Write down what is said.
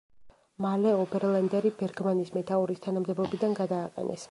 მალე ობერლენდერი „ბერგმანის“ მეთაურის თანამდებობიდან გადააყენეს.